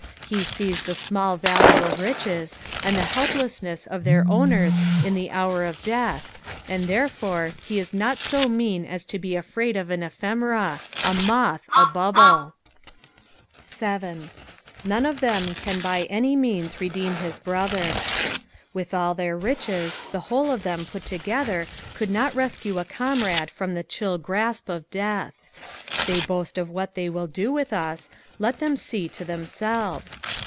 He sees the small value of riches, and the helplessness of their owners in the hour of death, and therefore he is not bo mean as to be afraid of an ephemera, a moth, a bubble. 7. " Sone of them cm 6y any meant redeem hit brother." With all their riches, the whole of them put together could not rescue a comrade from the chill grasp of death. They boast of what they will do with us, let them see to themselves.